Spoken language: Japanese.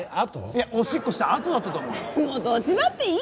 いやおしっこしたあとだったと思うよ。